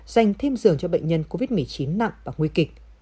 dành thêm giường cho bệnh nhân covid một mươi chín nặng và nguy kịch